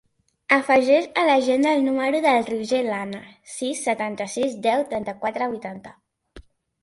Afegeix a l'agenda el número del Roger Lana: sis, setanta-sis, deu, trenta-quatre, vuitanta.